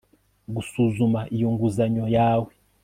Gusuzuma iyo nguzanyo yawe